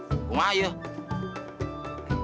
aku mau pergi